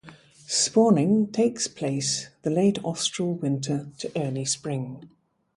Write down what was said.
Spawning takes place the late austral winter to early spring.